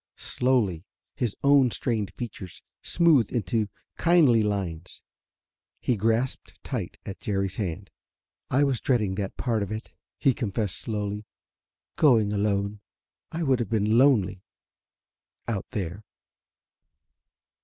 Slowly his own strained features smoothed into kindly lines. He grasped tight at Jerry's hand. "I was dreading that part of it," he confessed slowly: "going alone. It would have been lonely out there...."